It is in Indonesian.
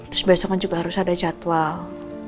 terus besok kan juga harus ada jadwal